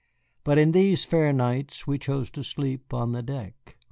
But in these fair nights we chose to sleep on deck.